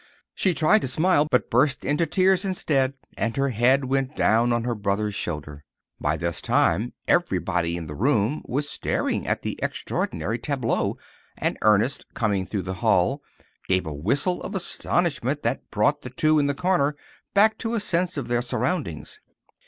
She tried to smile, but burst into tears instead and her head went down on her brother's shoulder. By this time everybody in the room was staring at the extraordinary tableau, and Ernest, coming through the hall, gave a whistle of astonishment that brought the two in the corner back to a sense of their surroundings.